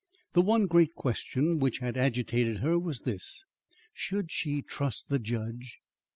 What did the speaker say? The one great question which had agitated her was this: Should she trust the judge?